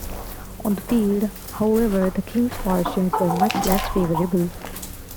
On the field, however, the Kings' fortunes were much less favorable.